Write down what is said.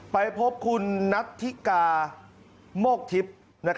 ไปพบคุณนัทธิกาโมกทิพย์